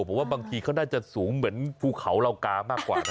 ผมว่าบางทีเขาน่าจะสูงเหมือนภูเขาเหล่ากามากกว่า